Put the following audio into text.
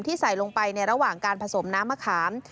ใส่ลงไปในระหว่างการผสมน้ำมะขาม